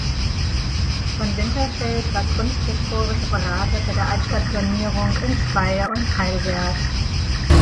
Von Winterfeld war kunsthistorischer Berater bei der Altstadtsanierung in Speyer und Heidelberg.